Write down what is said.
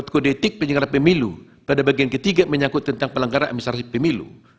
kode etik penyelenggara pemilu pada bagian ketiga menyangkut tentang pelanggaran administrasi pemilu